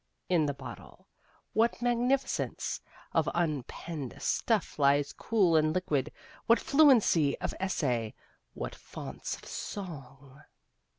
In the bottle, what magnificence of unpenned stuff lies cool and liquid: what fluency of essay, what fonts of song.